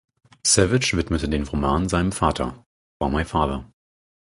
Savage widmete den Roman seinem Vater („For My Father“).